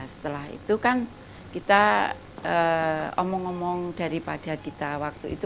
setelah itu kan kita omong omong daripada kita waktu itu